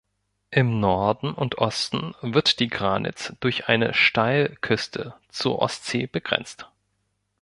Im Norden und Osten wird die Granitz durch eine Steilküste zur Ostsee begrenzt.